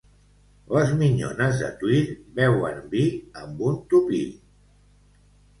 Les minyones de Tuïr beuen vi amb un tupí.